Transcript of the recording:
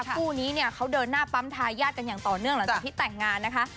คู่นี้เนี่ยเขาเดินหน้าปั๊มทายาทกันอย่างต่อเนื่องหลังจากที่แต่งงานนะคะ